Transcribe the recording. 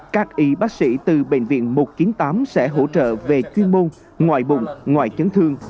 các y bác sĩ từ bệnh viện một trăm chín mươi tám sẽ hỗ trợ về chuyên môn ngoại bụng ngoại chấn thương